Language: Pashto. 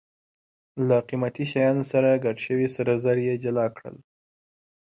له قیمتي شیانو سره ګډ شوي سره زر یې جلا کړل.